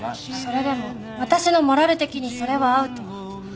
それでも私のモラル的にそれはアウト。